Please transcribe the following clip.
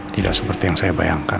tidak seperti yang saya bayangkan